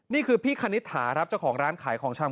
นี่คือพี่คณิตถาครับเจ้าของร้านขายของชำ